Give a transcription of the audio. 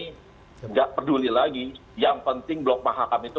tidak peduli lagi yang penting blok mahakam itu